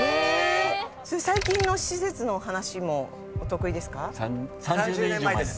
それ最近の施設の話もお得意ですか？